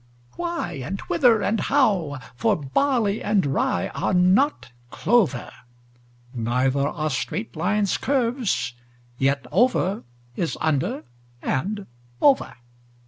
Why, and whither, and how? for barley and rye are not clover: Neither are straight lines curves: yet over is under and over.